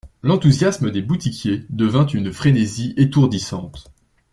L'enthousiasme des boutiquiers devint une frénésie étourdissante.